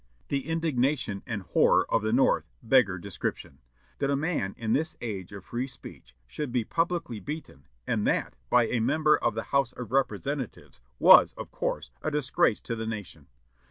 The indignation and horror of the North beggar description. That a man, in this age of free speech, should be publicly beaten, and that by a member of the House of Representatives, was, of course, a disgrace to the nation.